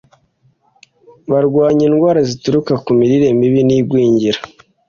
barwanya indwara zituruka ku mirire mibi n’igwingira,